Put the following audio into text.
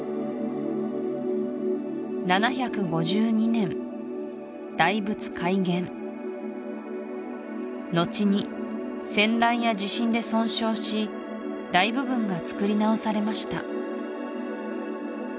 ７５２年大仏開眼のちに戦乱や地震で損傷し大部分がつくり直されました